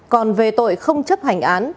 còn về tội không chấp hành án